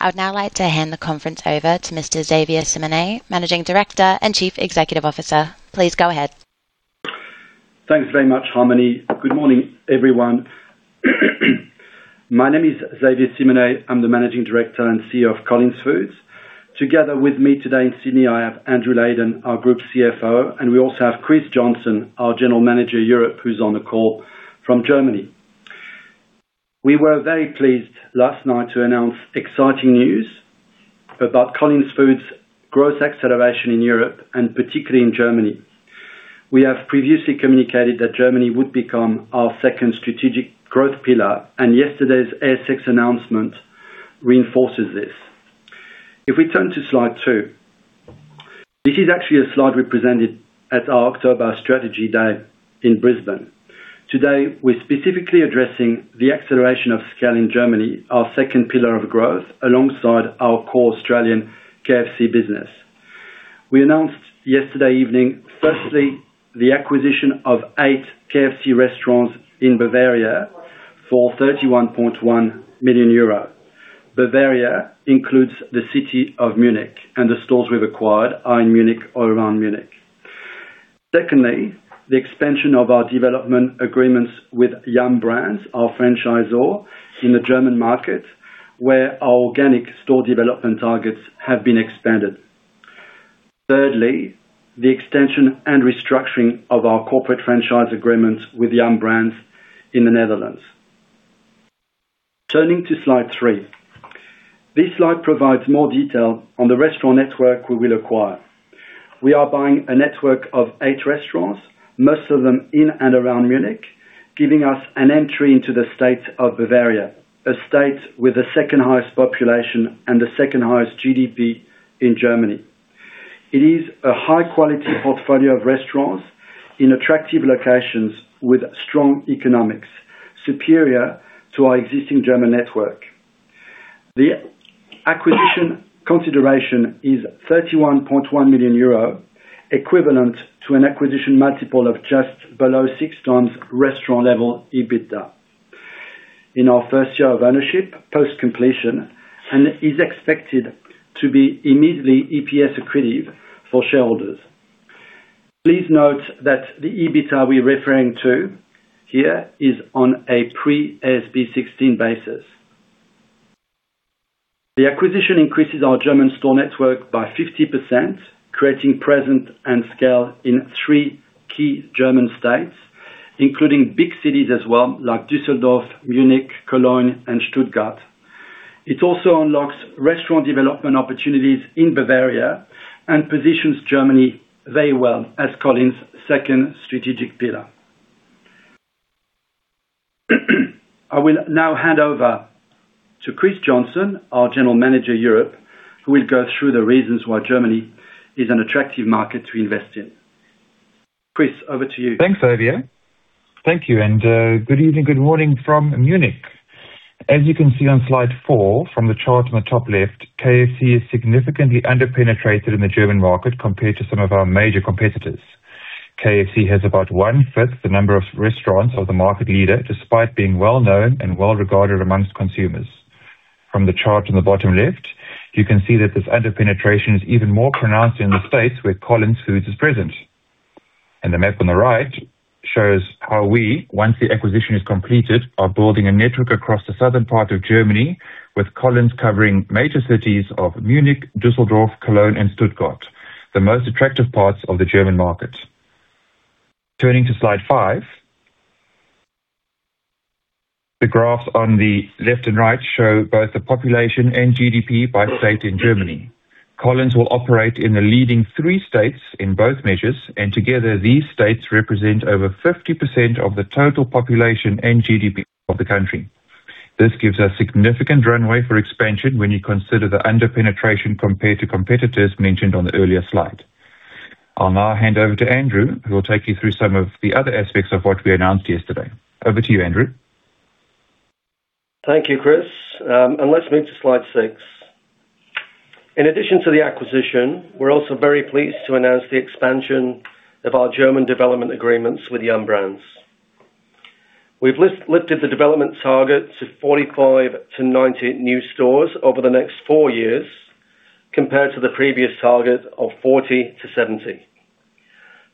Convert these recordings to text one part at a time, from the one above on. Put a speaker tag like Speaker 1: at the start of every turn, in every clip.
Speaker 1: I would now like to hand the conference over to Mr. Xavier Simonet, Managing Director & Chief Executive Officer. Please go ahead.
Speaker 2: Thanks very much, Harmony. Good morning, everyone. My name is Xavier Simonet. I'm the Managing Director and CEO of Collins Foods. Together with me today in Sydney, I have Andrew Leyden, our Group CFO, and we also have Chris Johnson, our General Manager, Europe, who's on the call from Germany. We were very pleased last night to announce exciting news about Collins Foods' growth acceleration in Europe, and particularly in Germany. We have previously communicated that Germany would become our second strategic growth pillar, and yesterday's ASX announcement reinforces this. If we turn to slide two, this is actually a slide we presented at our October strategy day in Brisbane. Today, we're specifically addressing the acceleration of scale in Germany, our second pillar of growth, alongside our core Australian KFC business. We announced yesterday evening, firstly, the acquisition of 8 KFC restaurants in Bavaria for 31.1 million euro. Bavaria includes the city of Munich, and the stores we've acquired are in Munich or around Munich. Secondly, the expansion of our development agreements with Yum! Brands, our franchisor in the German market, where our organic store development targets have been expanded. Thirdly, the extension and restructuring of our corporate franchise agreement with Yum! Brands in the Netherlands. Turning to slide three. This slide provides more detail on the restaurant network we will acquire. We are buying a network of eight restaurants, most of them in and around Munich, giving us an entry into the state of Bavaria, a state with the second-highest population and the second-highest GDP in Germany. It is a high-quality portfolio of restaurants in attractive locations with strong economics, superior to our existing German network. The acquisition consideration is 31.1 million euro, equivalent to an acquisition multiple of just below 6x restaurant level EBITDA in our first year of ownership, post completion, and is expected to be immediately EPS accretive for shareholders. Please note that the EBITDA we're referring to here is on a pre AASB 16 basis. The acquisition increases our German store network by 50%, creating presence and scale in three key German states, including big cities as well, like Düsseldorf, Munich, Cologne and Stuttgart. It also unlocks restaurant development opportunities in Bavaria and positions Germany very well as Collins' second strategic pillar. I will now hand over to Chris Johnson, our General Manager, Europe, who will go through the reasons why Germany is an attractive market to invest in. Chris, over to you.
Speaker 3: Thanks, Xavier. Thank you, and good evening, good morning from Munich. As you can see on slide four, from the chart on the top left, KFC is significantly under-penetrated in the German market compared to some of our major competitors. KFC has about 1/5 the number of restaurants of the market leader, despite being well-known and well-regarded among consumers. From the chart on the bottom left, you can see that this under-penetration is even more pronounced in the states where Collins Foods is present. The map on the right shows how we, once the acquisition is completed, are building a network across the southern part of Germany, with Collins covering major cities of Munich, Düsseldorf, Cologne and Stuttgart, the most attractive parts of the German market. Turning to slide five, the graphs on the left and right show both the population and GDP by state in Germany. Collins will operate in the leading three states in both measures, and together these states represent over 50% of the total population and GDP of the country. This gives us significant runway for expansion when you consider the under-penetration compared to competitors mentioned on the earlier slide. I'll now hand over to Andrew, who will take you through some of the other aspects of what we announced yesterday. Over to you, Andrew.
Speaker 4: Thank you, Chris. Let's move to slide six. In addition to the acquisition, we're also very pleased to announce the expansion of our German development agreements with Yum! Brands. We've lifted the development target to 45-90 new stores over the next four years, compared to the previous target of 40-70.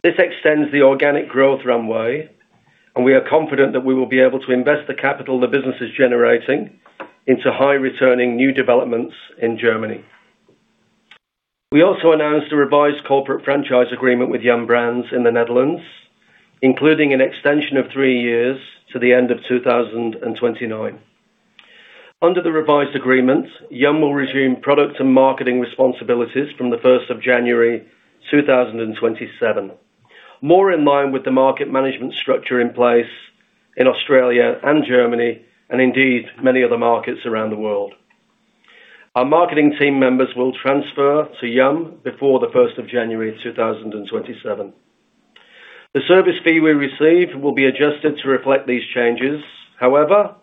Speaker 4: This extends the organic growth runway, and we are confident that we will be able to invest the capital the business is generating into high returning new developments in Germany. We also announced a revised corporate franchise agreement with Yum! Brands in the Netherlands, including an extension of three years to the end of 2029. Under the revised agreement, Yum will resume product and marketing responsibilities from the first of January 2027. More in line with the market management structure in place in Australia and Germany and indeed many other markets around the world. Our marketing team members will transfer to Yum before the first of January, 2027. The service fee we receive will be adjusted to reflect these changes. However,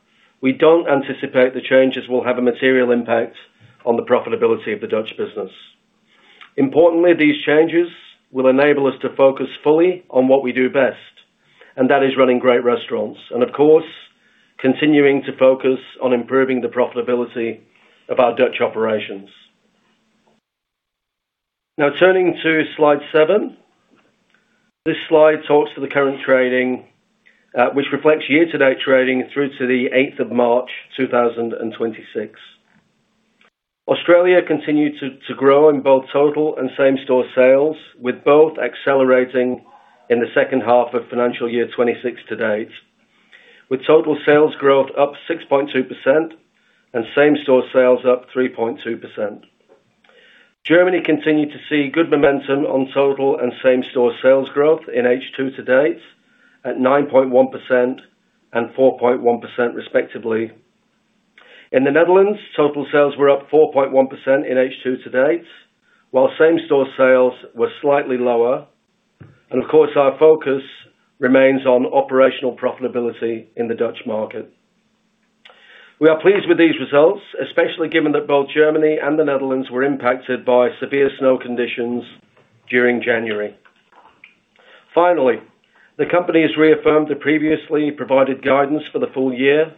Speaker 4: we don't anticipate the changes will have a material impact on the profitability of the Dutch business. Importantly, these changes will enable us to focus fully on what we do best, and that is running great restaurants and, of course, continuing to focus on improving the profitability of our Dutch operations. Now turning to slide seven. This slide talks to the current trading, which reflects year-to-date trading through to the 8th of March, 2026. Australia continued to grow in both total and same-store sales, with both accelerating in the H2 of financial year 2026 to date, with total sales growth up 6.2% and same-store sales up 3.2%. Germany continued to see good momentum on total and same-store sales growth in H2 to date at 9.1% and 4.1% respectively. In the Netherlands, total sales were up 4.1% in H2 to date, while same-store sales were slightly lower. Of course, our focus remains on operational profitability in the Dutch market. We are pleased with these results, especially given that both Germany and the Netherlands were impacted by severe snow conditions during January. Finally, the company has reaffirmed the previously provided guidance for the full year,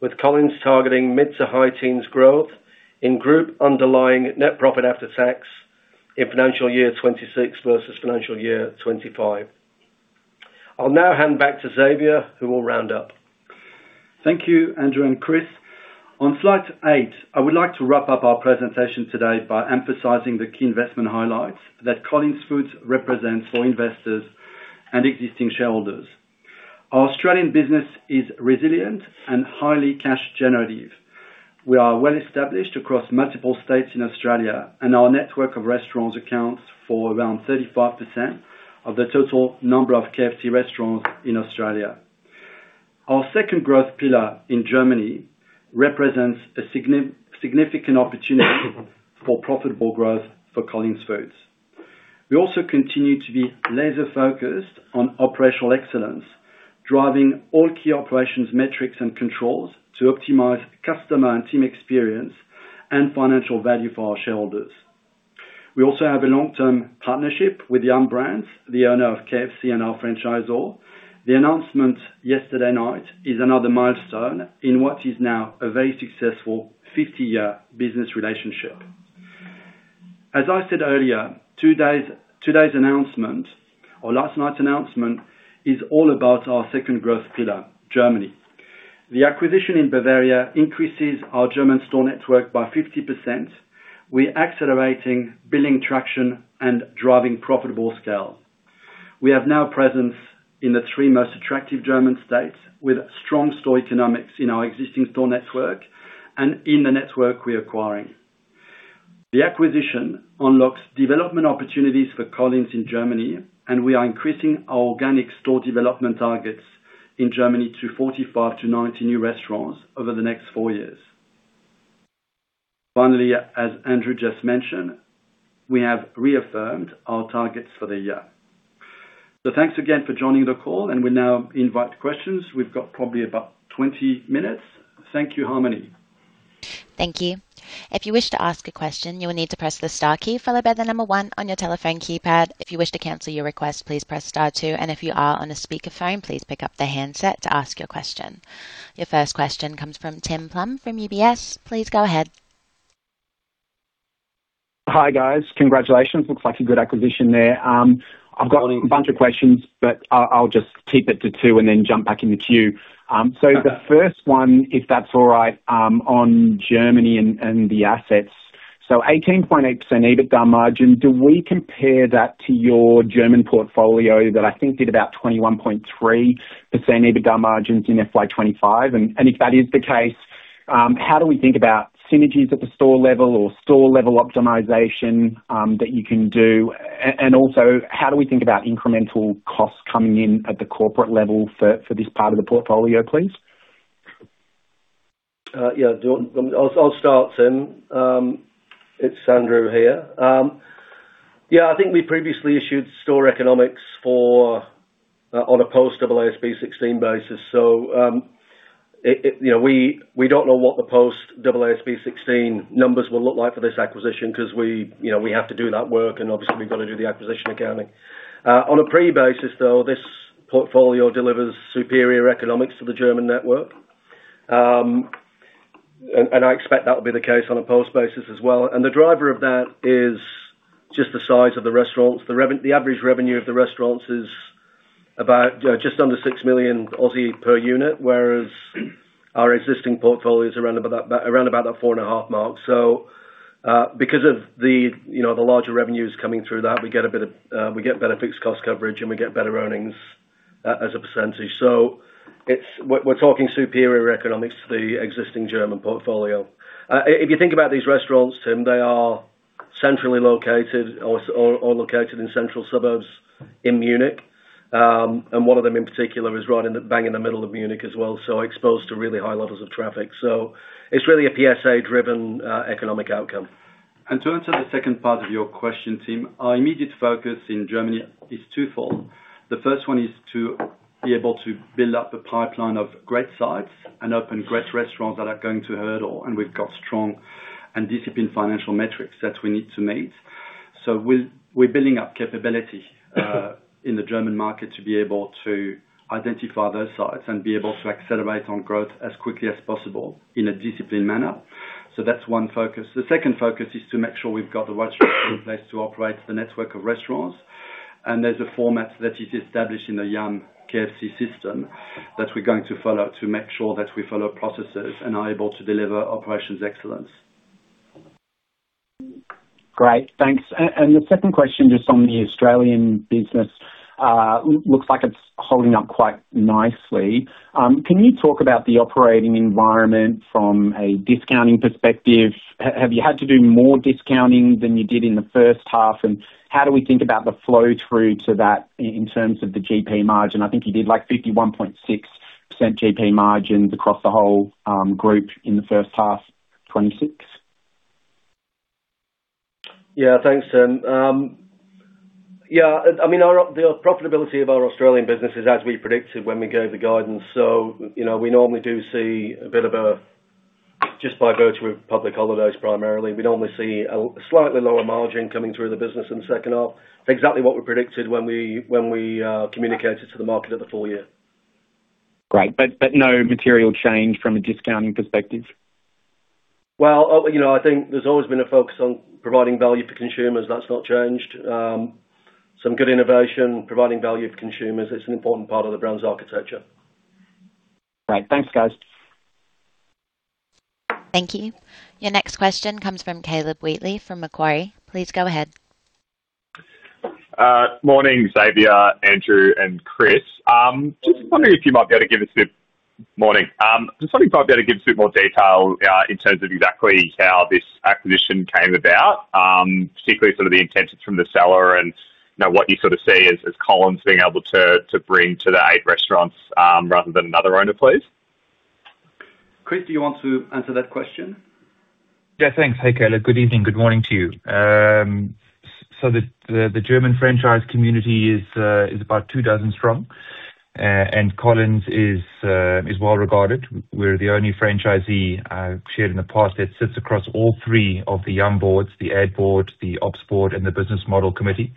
Speaker 4: with Collins targeting mid- to high-teens growth in group underlying net profit after tax in financial year 26 versus financial year 25. I'll now hand back to Xavier, who will round up.
Speaker 2: Thank you, Andrew and Chris. On slide eight, I would like to wrap up our presentation today by emphasizing the key investment highlights that Collins Foods represents for investors and existing shareholders. Our Australian business is resilient and highly cash generative. We are well established across multiple states in Australia, and our network of restaurants accounts for around 35% of the total number of KFC restaurants in Australia. Our second growth pillar in Germany represents a significant opportunity for profitable growth for Collins Foods. We also continue to be laser-focused on operational excellence, driving all key operations metrics and controls to optimize customer and team experience and financial value for our shareholders. We also have a long-term partnership with Yum! Brands, the owner of KFC and our franchisor. The announcement yesterday night is another milestone in what is now a very successful 50-year business relationship. As I said earlier, two days, today's announcement or last night's announcement is all about our second growth pillar, Germany. The acquisition in Bavaria increases our German store network by 50%. We're accelerating, building traction, and driving profitable scale. We have now presence in the three most attractive German states with strong store economics in our existing store network and in the network we're acquiring. The acquisition unlocks development opportunities for Collins in Germany, and we are increasing our organic store development targets in Germany to 45-90 new restaurants over the next four years. Finally, as Andrew just mentioned, we have reaffirmed our targets for the year. Thanks again for joining the call, and we now invite the questions. We've got probably about 20 minutes. Thank you, Harmony.
Speaker 1: Thank you. If you wish to ask a question, you will need to press the star key followed by the number one on your telephone keypad. If you wish to cancel your request, please press star two. If you are on a speaker phone, please pick up the handset to ask your question. Your first question comes from Tim Plumbe from UBS. Please go ahead.
Speaker 5: Hi, guys. Congratulations. Looks like a good acquisition there. I've got a bunch of questions, but I'll just keep it to two and then jump back in the queue. The first one, if that's all right, on Germany and the assets. 18.8% EBITDA margin, do we compare that to your German portfolio that I think did about 21.3% EBITDA margins in FY 2025? If that is the case, how do we think about synergies at the store level or store level optimization that you can do? Also, how do we think about incremental costs coming in at the corporate level for this part of the portfolio, please?
Speaker 4: I'll start, Tim. It's Andrew here. Yeah, I think we previously issued store economics for on a post-AASB 16 basis. So, it you know, we don't know what the post-AASB 16 numbers will look like for this acquisition because we you know, we have to do that work and obviously we've got to do the acquisition accounting. On a pre basis, though, this portfolio delivers superior economics to the German network. And I expect that would be the case on a post basis as well. The driver of that is just the size of the restaurants. The average revenue of the restaurants is about just under 6 million per unit, whereas our existing portfolio is around about that 4.5 mark. Because of the, you know, the larger revenues coming through that, we get better fixed cost coverage and we get better earnings as a percentage. It's. We're talking superior economics to the existing German portfolio. If you think about these restaurants, Tim, they are centrally located or located in central suburbs in Munich. And one of them in particular is right in the bang in the middle of Munich as well, so exposed to really high levels of traffic. It's really an AWT-driven economic outcome.
Speaker 2: To answer the second part of your question, Tim, our immediate focus in Germany is twofold. The first one is to be able to build up a pipeline of great sites and open great restaurants that are going to hurdle, and we've got strong and disciplined financial metrics that we need to meet.
Speaker 4: We're building up capability in the German market to be able to identify those sites and be able to accelerate on growth as quickly as possible in a disciplined manner. That's one focus. The second focus is to make sure we've got the right structure in place to operate the network of restaurants. There's a format that is established in a young KFC system that we're going to follow to make sure that we follow processes and are able to deliver operations excellence.
Speaker 5: Great. Thanks. The second question, just on the Australian business, looks like it's holding up quite nicely. Can you talk about the operating environment from a discounting perspective? Have you had to do more discounting than you did in the H1? How do we think about the flow through to that in terms of the GP margin? I think you did, like, 51.6% GP margins across the whole group in the H1 2026.
Speaker 4: Yeah, thanks, Tim. Yeah, I mean, our the profitability of our Australian business is as we predicted when we gave the guidance. You know, we normally do see just by virtue of public holidays primarily, we'd normally see slightly lower margin coming through the business in the H2. Exactly what we predicted when we communicated to the market at the full year.
Speaker 5: Great. No material change from a discounting perspective?
Speaker 4: Well, you know, I think there's always been a focus on providing value for consumers. That's not changed. Some good innovation, providing value to consumers, it's an important part of the brand's architecture.
Speaker 5: Great. Thanks, guys.
Speaker 1: Thank you. Your next question comes from Caleb Wheatley from Macquarie. Please go ahead.
Speaker 6: Morning, Xavier, Andrew, and Chris. Just wondering if you might be able to give us a bit more detail in terms of exactly how this acquisition came about, particularly sort of the intentions from the seller and, you know, what you sort of see as Collins being able to bring to the eight restaurants rather than another owner, please.
Speaker 4: Chris, do you want to answer that question?
Speaker 3: Yeah, thanks. Hey, Caleb. Good evening. Good morning to you. The German franchise community is about two dozen strong. Collins is well regarded. We're the only franchisee I've shared in the past that sits across all three of the Yum boards, the ad board, the ops board, and the business model committee.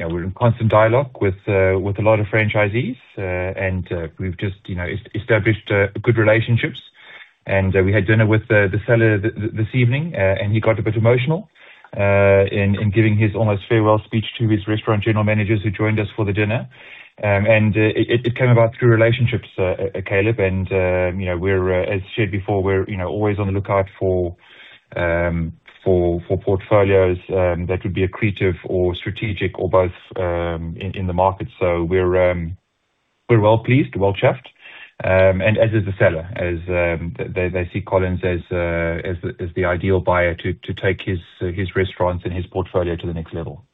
Speaker 3: We're in constant dialogue with a lot of franchisees, and we've just, you know, established good relationships. We had dinner with the seller this evening, and he got a bit emotional in giving his almost farewell speech to his restaurant general managers who joined us for the dinner. It came about through relationships, Caleb, and you know, we're as shared before, we're you know always on the lookout for portfolios that would be accretive or strategic or both, in the market. We're well pleased, well chuffed, and as is the seller, as they see Collins as the ideal buyer to take his restaurants and his portfolio to the next level.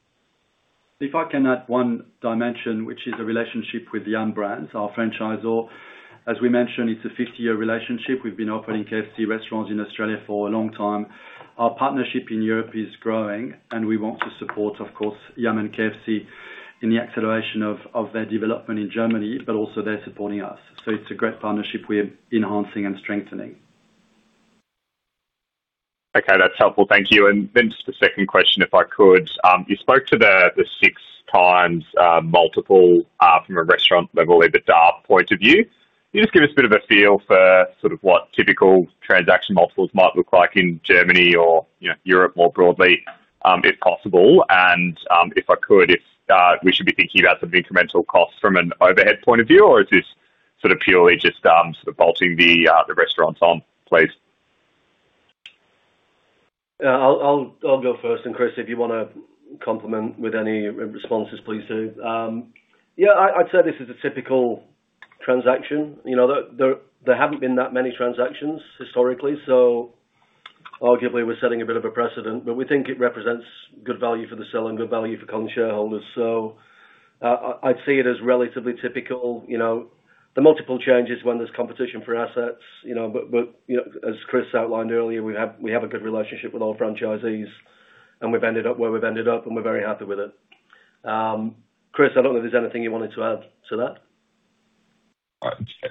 Speaker 4: If I can add one dimension, which is a relationship with Yum! Brands, our franchisor. As we mentioned, it's a 50-year relationship. We've been opening KFC restaurants in Australia for a long time. Our partnership in Europe is growing, and we want to support, of course, Yum and KFC in the acceleration of their development in Germany, but also they're supporting us. It's a great partnership we're enhancing and strengthening.
Speaker 6: Okay. That's helpful. Thank you. Just a second question, if I could. You spoke to the 6x multiple from a restaurant level, the EBITDA point of view. Can you just give us a bit of a feel for sort of what typical transaction multiples might look like in Germany or, you know, Europe more broadly, if possible? If I could, we should be thinking about some incremental costs from an overhead point of view, or is this sort of purely just sort of bolting the restaurants on, please?
Speaker 4: I'll go first, and Chris, if you wanna complement with any responses, please do. Yeah, I'd say this is a typical transaction. You know, there haven't been that many transactions historically, so arguably we're setting a bit of a precedent, but we think it represents good value for the seller and good value for Collins shareholders. I'd see it as relatively typical. You know, the multiple changes when there's competition for assets, you know, but you know, as Chris outlined earlier, we have a good relationship with all franchisees, and we've ended up where we've ended up, and we're very happy with it. Chris, I don't know if there's anything you wanted to add to that.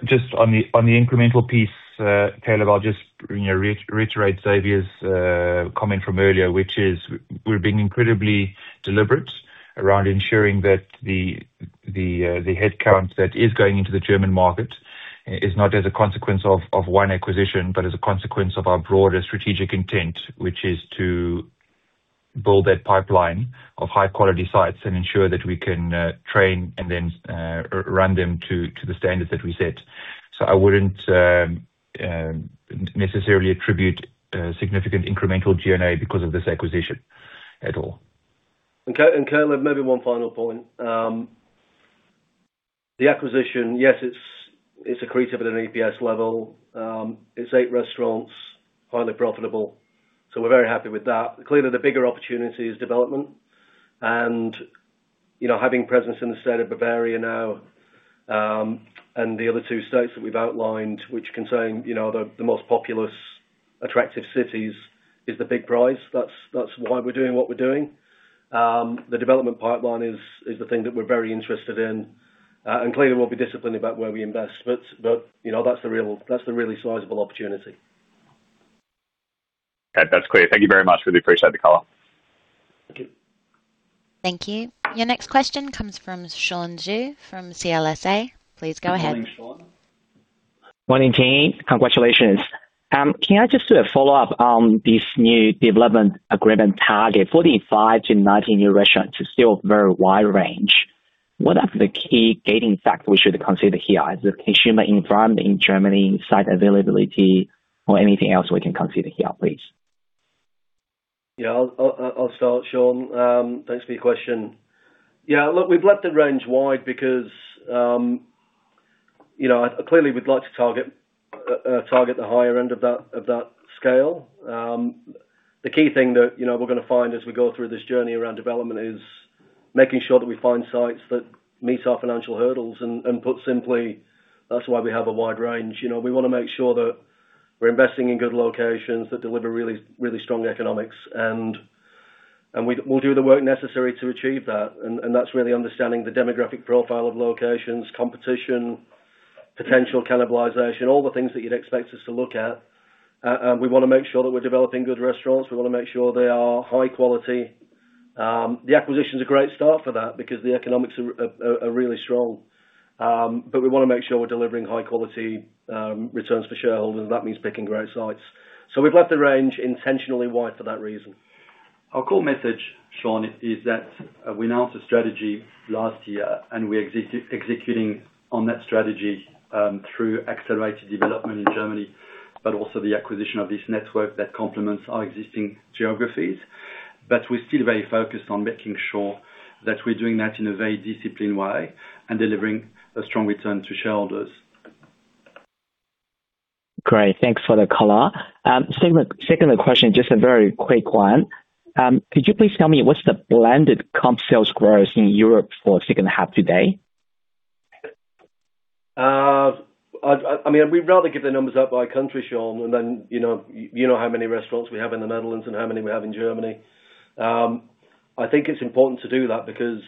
Speaker 3: Just on the incremental piece, Caleb, I'll just, you know, reiterate Xavier's comment from earlier, which is we're being incredibly deliberate around ensuring that the headcount that is going into the German market is not as a consequence of one acquisition, but as a consequence of our broader strategic intent, which is to build that pipeline of high quality sites and ensure that we can train and then run them to the standards that we set. I wouldn't necessarily attribute significant incremental G&A because of this acquisition at all.
Speaker 4: Caleb, maybe one final point. The acquisition, yes, it's accretive at an EPS level. It's eight restaurants, highly profitable, so we're very happy with that. Clearly, the bigger opportunity is development. You know, having presence in the state of Bavaria now, and the other two states that we've outlined, which contain you know the most populous, attractive cities, is the big prize. That's why we're doing what we're doing. The development pipeline is the thing that we're very interested in. Clearly we'll be disciplined about where we invest. You know, that's the really sizable opportunity.
Speaker 6: Okay. That's clear. Thank you very much. Really appreciate the call.
Speaker 4: Thank you.
Speaker 1: Thank you. Your next question comes from Sean Zhu from CLSA. Please go ahead.
Speaker 4: Good morning, Sean.
Speaker 7: Morning, team. Congratulations. Can I just do a follow-up on this new development agreement target, 45-90 new restaurants is still a very wide range. What are the key gating factors we should consider here? Is it consumer environment in Germany, site availability or anything else we can consider here, please?
Speaker 4: I'll start, Sean. Thanks for your question. Yeah, look, we've left the range wide because, you know, clearly we'd like to target the higher end of that scale. The key thing that, you know, we're gonna find as we go through this journey around development is making sure that we find sites that meet our financial hurdles. Put simply, that's why we have a wide range. You know, we want to make sure that we're investing in good locations that deliver really strong economics, and we'll do the work necessary to achieve that. That's really understanding the demographic profile of locations, competition, potential cannibalization, all the things that you'd expect us to look at. We want to make sure that we're developing good restaurants. We want to make sure they are high quality. The acquisition is a great start for that because the economics are really strong. We want to make sure we're delivering high quality returns for shareholders. That means picking great sites. We've left the range intentionally wide for that reason.
Speaker 2: Our core message, Sean, is that we announced a strategy last year, and we're executing on that strategy, through accelerated development in Germany, but also the acquisition of this network that complements our existing geographies. We're still very focused on making sure that we're doing that in a very disciplined way and delivering a strong return to shareholders.
Speaker 7: Great. Thanks for the color. Second question, just a very quick one. Could you please tell me what's the blended comp sales growth in Europe for the H2 today?
Speaker 4: I mean, we'd rather give the numbers out by country, Sean, and then, you know how many restaurants we have in the Netherlands and how many we have in Germany. I think it's important to do that because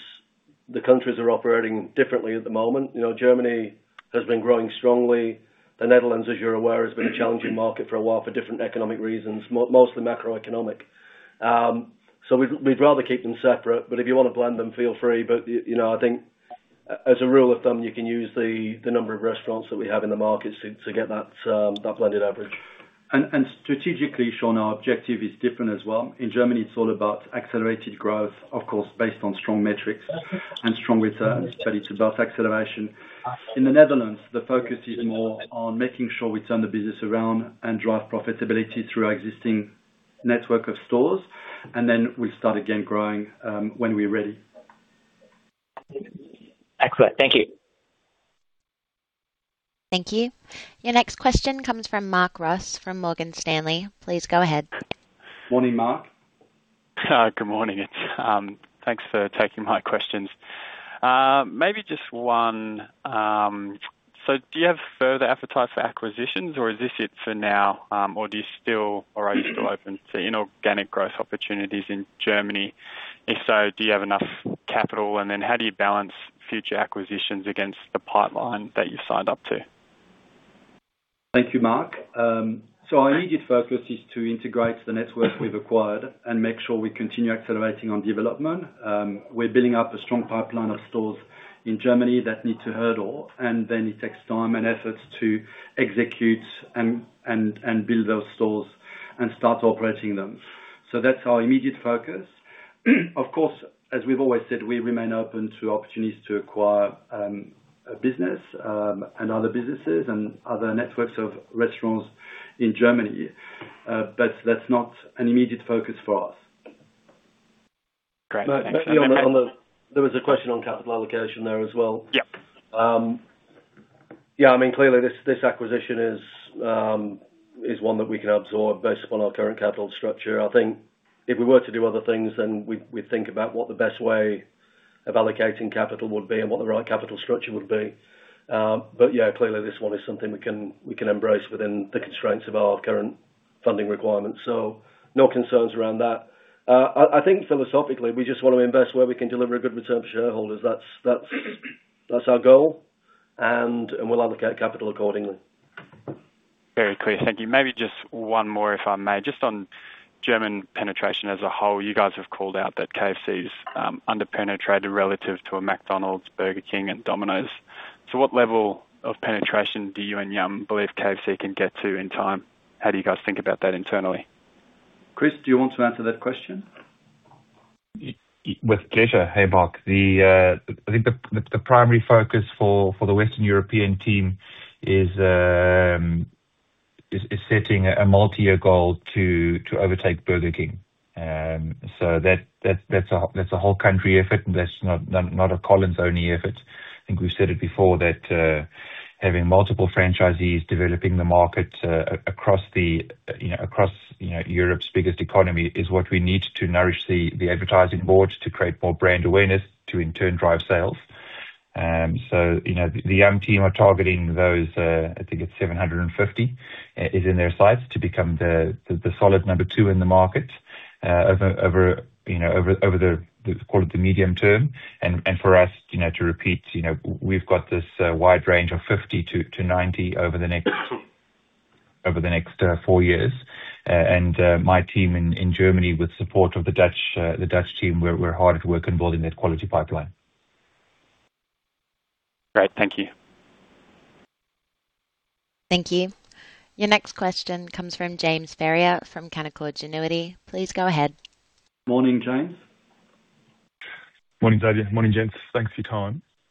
Speaker 4: the countries are operating differently at the moment. You know, Germany has been growing strongly. The Netherlands, as you're aware, has been a challenging market for a while for different economic reasons, most of them macroeconomic. So we'd rather keep them separate, but if you want to blend them, feel free. You know, I think as a rule of thumb, you can use the number of restaurants that we have in the market to get that blended average.
Speaker 2: Strategically, Sean, our objective is different as well. In Germany, it's all about accelerated growth, of course, based on strong metrics and strong returns. It's about acceleration. In the Netherlands, the focus is more on making sure we turn the business around and drive profitability through our existing network of stores, and then we start again growing, when we're ready.
Speaker 7: Excellent. Thank you.
Speaker 1: Thank you. Your next question comes from Mark Ross from Morgan Stanley. Please go ahead.
Speaker 4: Morning, Mark.
Speaker 8: Good morning. Thanks for taking my questions. Maybe just one. Do you have further appetite for acquisitions or is this it for now? Or are you still open to inorganic growth opportunities in Germany? If so, do you have enough capital? How do you balance future acquisitions against the pipeline that you signed up to?
Speaker 2: Thank you, Mark. Our immediate focus is to integrate the network we've acquired and make sure we continue accelerating on development. We're building up a strong pipeline of stores in Germany that need to hurdle, and then it takes time and efforts to execute and build those stores and start operating them. That's our immediate focus. Of course, as we've always said, we remain open to opportunities to acquire a business and other businesses and other networks of restaurants in Germany. That's not an immediate focus for us.
Speaker 8: Great. Thanks.
Speaker 4: There was a question on capital allocation there as well.
Speaker 8: Yeah.
Speaker 4: Yeah, I mean, clearly this acquisition is one that we can absorb based upon our current capital structure. I think if we were to do other things, then we'd think about what the best way of allocating capital would be and what the right capital structure would be. Yeah, clearly this one is something we can embrace within the constraints of our current funding requirements. No concerns around that. I think philosophically, we just want to invest where we can deliver a good return for shareholders. That's our goal, and we'll allocate capital accordingly.
Speaker 8: Very clear. Thank you. Maybe just one more, if I may. Just on German penetration as a whole, you guys have called out that KFC is under-penetrated relative to a McDonald's, Burger King and Domino's. What level of penetration do you and Yum believe KFC can get to in time? How do you guys think about that internally?
Speaker 2: Chris, do you want to answer that question?
Speaker 3: With pleasure. Hey, Mark. I think the primary focus for the Western European team is setting a multi-year goal to overtake Burger King. That's a whole country effort. That's not a Collins only effort. I think we've said it before that having multiple franchisees developing the market across you know Europe's biggest economy is what we need to nourish the advertising boards to create more brand awareness to in turn drive sales. You know, the Yum team are targeting those I think it's 750 is in their sights to become the solid number two in the market over you know over the call it the medium term. For us, you know, to repeat, you know, we've got this wide range of 50-90 over the next-
Speaker 4: Over the next four years, my team in Germany, with support of the Dutch team, we're hard at work on building that quality pipeline.
Speaker 8: Great. Thank you.
Speaker 1: Thank you. Your next question comes from James Ferrier from Canaccord Genuity. Please go ahead.
Speaker 4: Morning, James.
Speaker 9: Morning, Xavier. Morning, gents. Thanks for your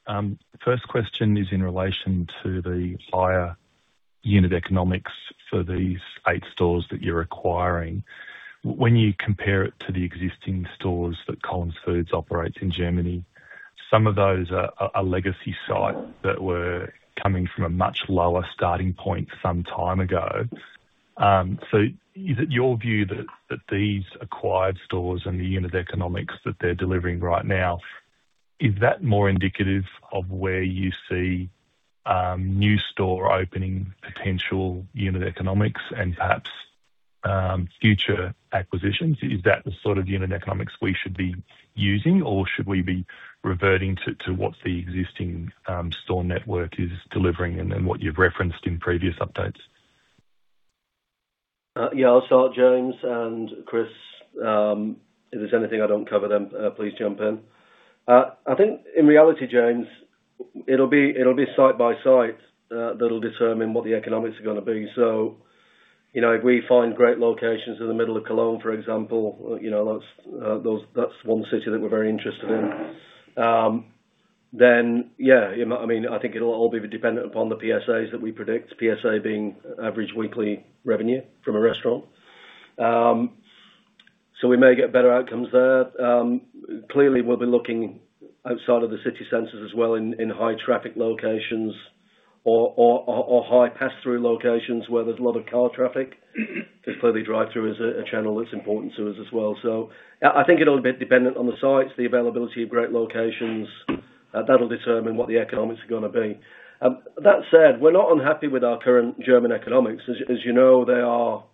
Speaker 9: time. First question is in relation to the higher unit economics for these 8 stores that you're acquiring. When you compare it to the existing stores that Collins Foods operates in Germany, some of those are legacy sites that were coming from a much lower starting point some time ago. Is it your view that these acquired stores and the unit economics that they're delivering right now is more indicative of where you see new store opening potential unit economics and perhaps future acquisitions? Is that the sort of unit economics we should be using, or should we be reverting to what the existing store network is delivering and what you've referenced in previous updates?
Speaker 4: Yeah, I'll start James and Chris, if there's anything I don't cover, then please jump in. I think in reality, James, it'll be site by site, that'll determine what the economics are gonna be. You know, if we find great locations in the middle of Cologne, for example, you know, that's one city that we're very interested in. Yeah, you know, I mean, I think it'll all be dependent upon the PSAs that we predict, AWT being average weekly revenue from a restaurant. We may get better outcomes there. Clearly, we'll be looking outside of the city centers as well in high traffic locations or high pass-through locations where there's a lot of car traffic. Just clearly drive-through is a channel that's important to us as well. I think it'll be dependent on the sites, the availability of great locations, that'll determine what the economics are gonna be. That said, we're not unhappy with our current German economics. As you know, they are,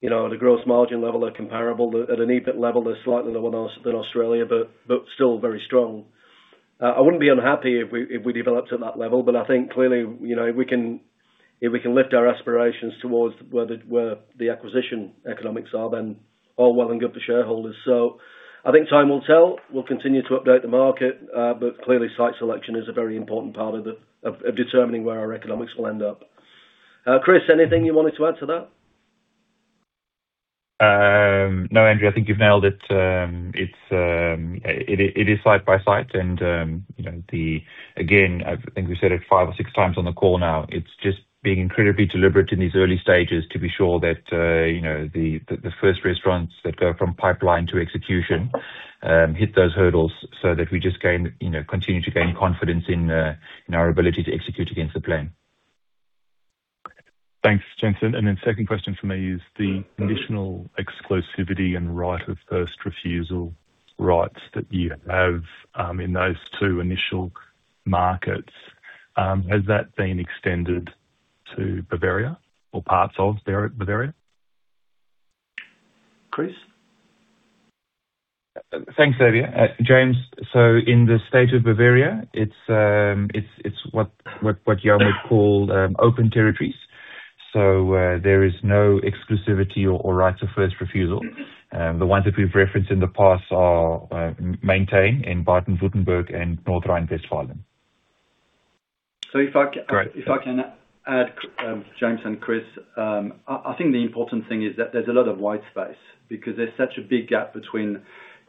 Speaker 4: you know, the gross margin level are comparable. At an EBIT level, they're slightly lower than Australia, but still very strong. I wouldn't be unhappy if we developed at that level. I think clearly, you know, if we can lift our aspirations towards where the acquisition economics are, then all well and good for shareholders. I think time will tell. We'll continue to update the market, but clearly site selection is a very important part of determining where our economics will end up. Chris, anything you wanted to add to that?
Speaker 3: No, Andrew Leyden, I think you've nailed it. It's site by site and, you know, the. Again, I think we've said it five or six times on the call now. It's just being incredibly deliberate in these early stages to be sure that, you know, the first restaurants that go from pipeline to execution hit those hurdles so that we just gain, you know, continue to gain confidence in our ability to execute against the plan.
Speaker 9: Thanks, gents. Second question for me is the conditional exclusivity and right of first refusal rights that you have in those two initial markets. Has that been extended to Bavaria or parts of Bavaria?
Speaker 4: Chris?
Speaker 3: Thanks, Xavier. James, in the state of Bavaria, it's whatYann-David Lecoq would call open territories. There is no exclusivity or rights of first refusal. The ones that we've referenced in the past are maintained in Baden-Württemberg and North Rhine-Westphalia.
Speaker 4: So if I c-
Speaker 9: Great.
Speaker 4: If I can add, James and Chris, I think the important thing is that there's a lot of white space because there's such a big gap between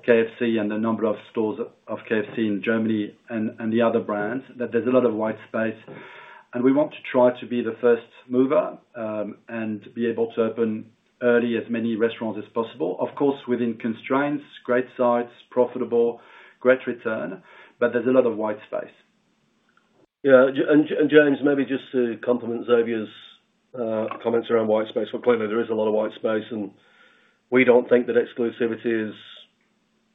Speaker 4: KFC and the number of stores of KFC in Germany and the other brands, that there's a lot of white space, and we want to try to be the first mover, and be able to open early as many restaurants as possible, of course, within constraints, great sites, profitable, great return, but there's a lot of white space. Yeah. James, maybe just to complement Xavier Simonet's comments around white space. Well, clearly there is a lot of white space, and we don't think that exclusivity is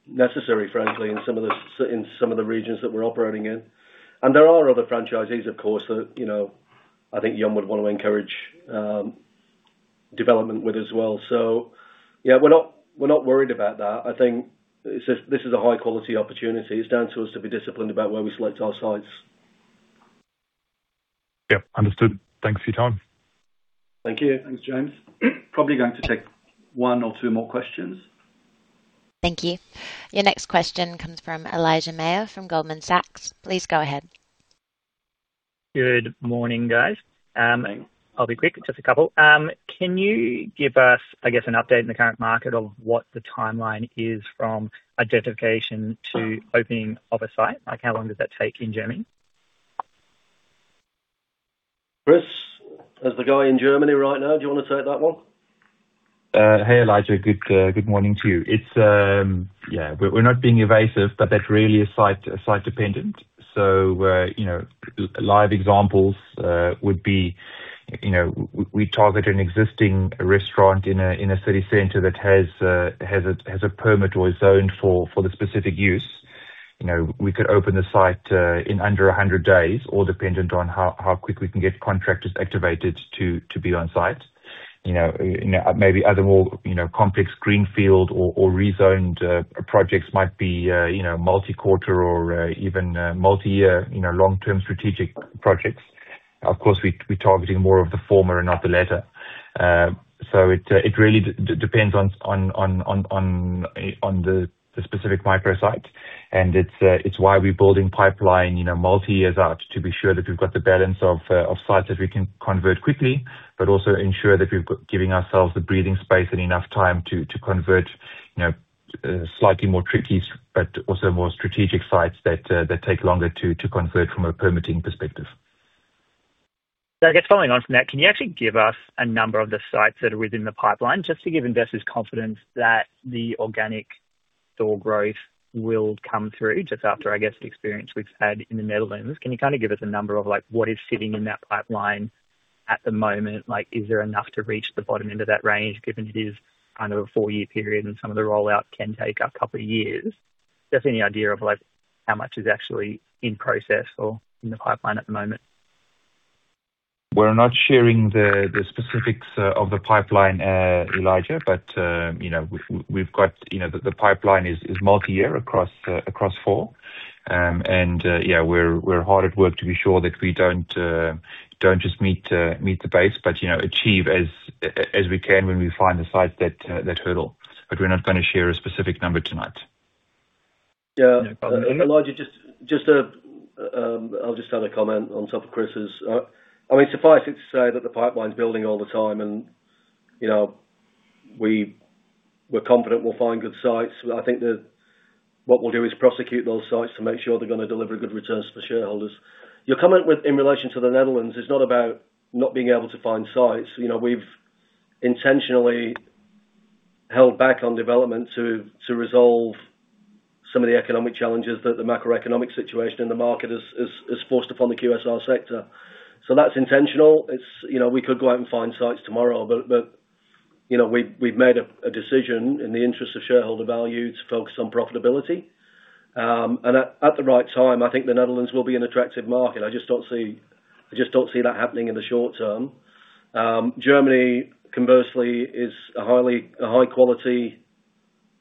Speaker 4: necessary, frankly, in some of the regions that we're operating in. There are other franchisees, of course, that, you know, I think Yann-David Lecoq would wanna encourage development with as well. Yeah, we're not worried about that. I think this is a high-quality opportunity. It's down to us to be disciplined about where we select our sites.
Speaker 9: Yep, understood. Thanks for your time.
Speaker 4: Thank you.
Speaker 3: Thanks, James.
Speaker 4: Probably going to take one or two more questions.
Speaker 1: Thank you. Your next question comes from Mike Mayo from Goldman Sachs. Please go ahead.
Speaker 10: Good morning, guys. I'll be quick. Just a couple. Can you give us, I guess, an update in the current market of what the timeline is from identification to opening of a site? Like how long does that take in Germany?
Speaker 4: Chris, as the guy in Germany right now, do you wanna take that one?
Speaker 3: Hey, Mike. Good morning to you. We're not being evasive, but that's really a site dependent. You know, live examples would be, you know, we target an existing restaurant in a city center that has a permit or a zone for the specific use. You know, we could open the site in under 100 days, all dependent on how quick we can get contractors activated to be on site. You know, maybe other more complex greenfield or rezoned projects might be multi-quarter or even multi-year long-term strategic projects. Of course, we're targeting more of the former and not the latter. It really depends on the specific micro-sites. It's why we're building pipeline, you know, multi-years out to be sure that we've got the balance of sites that we can convert quickly, but also ensure that we're giving ourselves the breathing space and enough time to convert, you know, slightly more trickier, but also more strategic sites that take longer to convert from a permitting perspective.
Speaker 10: I guess following on from that, can you actually give us a number of the sites that are within the pipeline, just to give investors confidence that the organic store growth will come through just after, I guess, the experience we've had in the Netherlands? Can you kind of give us a number of, like, what is sitting in that pipeline at the moment? Like, is there enough to reach the bottom end of that range, given it is kind of a four-year period, and some of the rollout can take a couple of years? Just any idea of, like, how much is actually in process or in the pipeline at the moment.
Speaker 3: We're not sharing the specifics of the pipeline, Mike, but you know, we've got you know, the pipeline is multi-year across four. Yeah, we're hard at work to be sure that we don't just meet the base, but you know, achieve as we can when we find the sites that hurdle. We're not gonna share a specific number tonight.
Speaker 4: Yeah.
Speaker 3: No problem.
Speaker 4: Mike, I'll just add a comment on top of Chris'. I mean, suffice it to say that the pipeline's building all the time and, you know, we're confident we'll find good sites. I think that what we'll do is prosecute those sites to make sure they're gonna deliver good returns to shareholders. Your comment with, in relation to the Netherlands is not about not being able to find sites. You know, we've intentionally held back on development to resolve some of the economic challenges that the macroeconomic situation in the market has forced upon the QSR sector. That's intentional. It's, you know, we could go out and find sites tomorrow, but, you know, we've made a decision in the interest of shareholder value to focus on profitability. At the right time, I think the Netherlands will be an attractive market. I just don't see that happening in the short term. Germany, conversely, is a high quality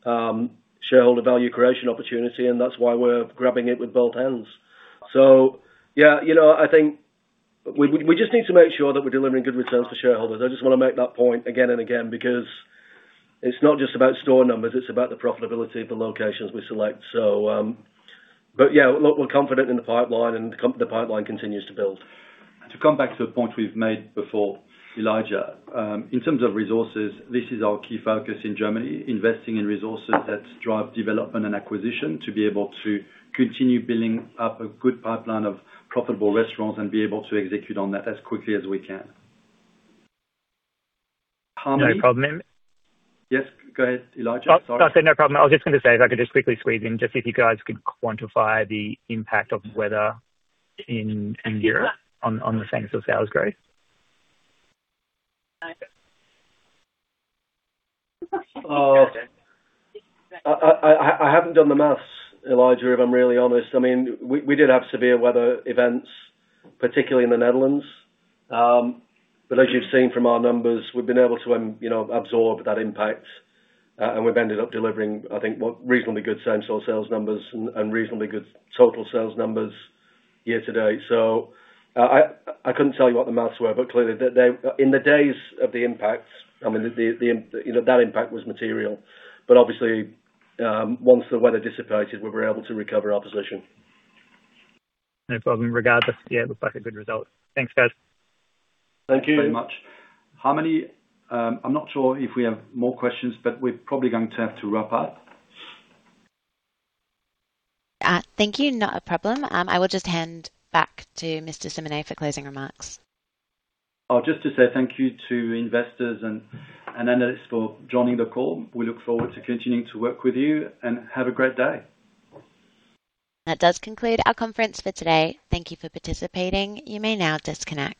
Speaker 4: shareholder value creation opportunity, and that's why we're grabbing it with both hands. Yeah, you know, I think we just need to make sure that we're delivering good returns for shareholders. I just wanna make that point again and again, because it's not just about store numbers, it's about the profitability of the locations we select. Yeah, we're confident in the pipeline, and the pipeline continues to build.
Speaker 3: To come back to a point we've made before, Mike Mayo. In terms of resources, this is our key focus in Germany, investing in resources that drive development and acquisition to be able to continue building up a good pipeline of profitable restaurants and be able to execute on that as quickly as we can. Harmony
Speaker 10: No problem.
Speaker 3: Yes, go ahead, Mike. Sorry.
Speaker 10: Oh, I said no problem. I was just gonna say if I could just quickly squeeze in just if you guys could quantify the impact of weather in Europe on the same store sales growth?
Speaker 4: I haven't done the math, Mike Mayo, if I'm really honest. I mean, we did have severe weather events, particularly in the Netherlands. But as you've seen from our numbers, we've been able to you know, absorb that impact. And we've ended up delivering, I think, what, reasonably good same store sales numbers and reasonably good total sales numbers year to date. I couldn't tell you what the math were, but clearly the impacts. In the days of the impacts, I mean, the impact, you know, that impact was material. Obviously, once the weather dissipated, we were able to recover our position.
Speaker 10: No problem. Regardless, yeah, it looks like a good result. Thanks, guys.
Speaker 4: Thank you.
Speaker 3: Thanks very much. Harmony, I'm not sure if we have more questions, but we're probably going to have to wrap up.
Speaker 1: Thank you. Not a problem. I will just hand back to Mr. Simonet for closing remarks.
Speaker 2: I'll just like to say thank you to investors and analysts for joining the call. We look forward to continuing to work with you and have a great day.
Speaker 1: That does conclude our conference for today. Thank you for participating. You may now disconnect.